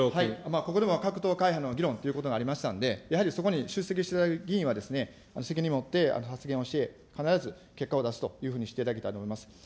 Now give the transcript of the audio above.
ここでも各党、会派の議論ということがありましたので、やはり、そこに出席していただく議員はですね、責任を持って発言をして、必ず結果を出すというふうにしていただけたらと思います。